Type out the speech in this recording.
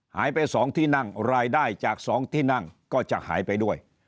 หายไป๒ที่นั่งรายได้จาก๒ที่นั่งก็จะหายไปด้วย